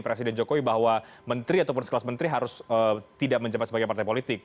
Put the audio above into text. presiden jokowi bahwa menteri ataupun sekelas menteri harus tidak menjabat sebagai partai politik